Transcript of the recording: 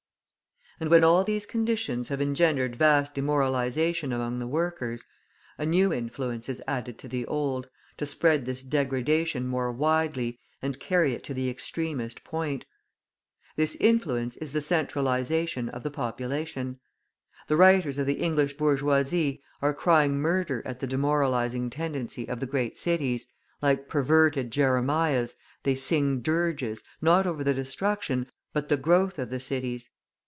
And when all these conditions have engendered vast demoralisation among the workers, a new influence is added to the old, to spread this degradation more widely and carry it to the extremest point. This influence is the centralisation of the population. The writers of the English bourgeoisie are crying murder at the demoralising tendency of the great cities, like perverted Jeremiahs, they sing dirges, not over the destruction, but the growth of the cities.